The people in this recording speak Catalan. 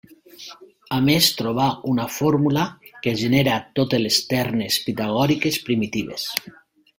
A més, trobà una fórmula que genera totes les ternes pitagòriques primitives.